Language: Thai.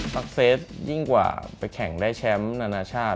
รักเซสยิ่งกว่าไปแข่งได้แชมป์นานาชาติ